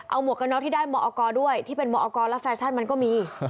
หมวกกันน็อกที่ได้มอกรด้วยที่เป็นมอกรและแฟชั่นมันก็มี